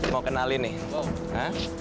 mau kenalin nih